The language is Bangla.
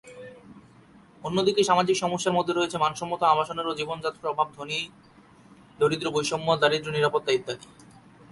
অন্যদিকে সামাজিক সমস্যার মধ্যে রয়েছে মানসম্মত আবাসনের ও জীবনযাত্রার অবস্থার অভাব, ধনী-দরিদ্র বৈষম্য, দারিদ্র্য, নিরাপত্তা, ইত্যাদি।